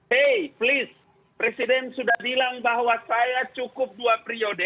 hey please presiden sudah bilang bahwa saya cukup dua periode